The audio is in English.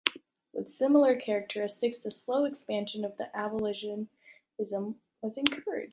With similar characteristics, the slow expansion of the abolitionism was encouraged.